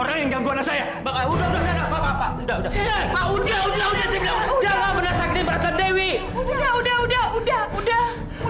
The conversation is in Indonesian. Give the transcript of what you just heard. dengar itu kak ibu